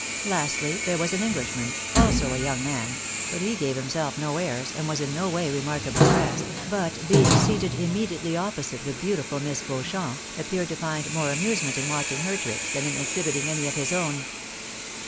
Lastly, there was an Englishman, also a young man ; but he gave himself no airs, and was in no way remarkably dressed ; but being seated immediately opposite the beautiful Miss Beauchamp, appeared to find more amusement in ■watching her tricks, than in exhibiting any of his own.